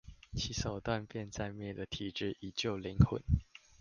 其手段便在滅了體質以救靈魂